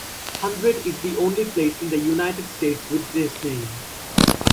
Hundred is the only place in the United States with this name.